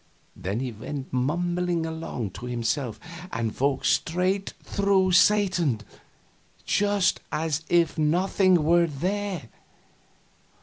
Then he went mumbling along to himself and walked straight through Satan, just as if nothing were there.